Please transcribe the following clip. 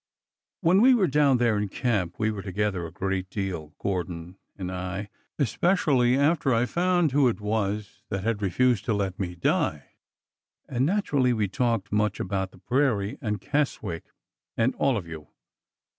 When we were down there in camp we were together a great deal, Gordon and I, especially after I found who it was that had refused to let me die, and naturally we talked much about the prairie and Keswick and all of you.